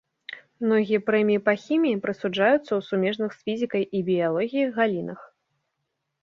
Многія прэміі па хіміі прысуджаюцца ў сумежных з фізікай і біялогіяй галінах.